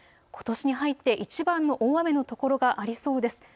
ことしに入っていちばんの大雨の所がありそうです。